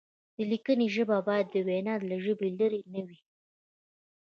د لیکنې ژبه باید د وینا له ژبې لرې نه وي.